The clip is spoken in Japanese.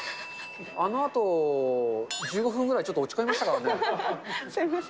あのあと、１５分くらい、ちょっと落ち込みましたからすみません。